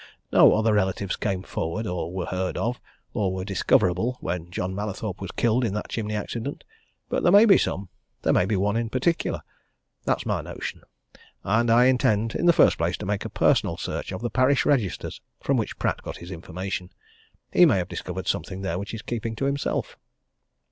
No other relatives came forward, or were heard of, or were discoverable when John Mallathorpe was killed in that chimney accident; but there may be some there may be one in particular. That's my notion! and I intend, in the first place, to make a personal search of the parish registers from which Pratt got his information. He may have discovered something there which he's keeping to himself."